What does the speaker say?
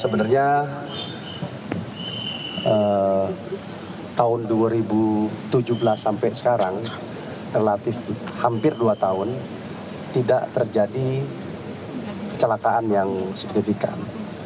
sebenarnya tahun dua ribu tujuh belas sampai sekarang relatif hampir dua tahun tidak terjadi kecelakaan yang signifikan